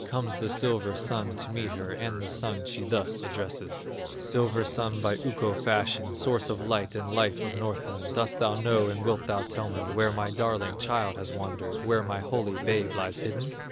Comes the silver Sun to meet her, And the Sun she thus addresses: "Silver Sun by Ukko fashioned, Source of light and life to Northland, Dost thou know and wilt thou tell me Where my darling child has wandered, Where my holy babe lies hidden?"